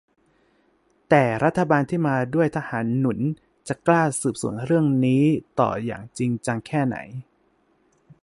แต่รัฐบาลที่มาด้วยทหารหนุน จะกล้าสืบสวนเรื่องนี้ต่ออย่างจริงจังแค่ไหน